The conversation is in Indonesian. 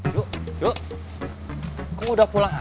lanjut ya duluan lu